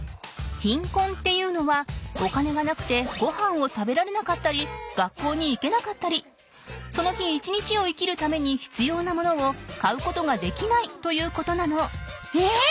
ひんこんっていうのはお金がなくてごはんを食べられなかったり学校に行けなかったりその日１日を生きるためにひつような物を買うことができないということなの。え！？